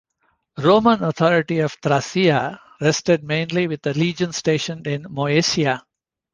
Roman authority of Thracia rested mainly with the legions stationed in Moesia.